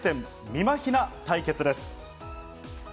みまひな対決です。